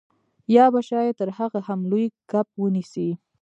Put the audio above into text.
یا به شاید تر هغه هم لوی کب ونیسئ